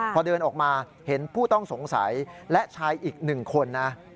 พอเดินออกมาเห็นผู้ต้องสงสัยและชายอีก๑คนนะ